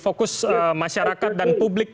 fokus masyarakat dan publik